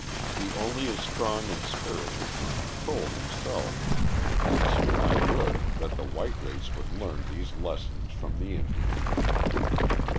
He only is strong in spirit who can control himself, hence I would that the white race would learn these lessons from the Indian.